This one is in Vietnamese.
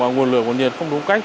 nguồn lửa nhiệt không đúng cách